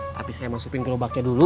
tapi saya masukin ke lobaknya dulu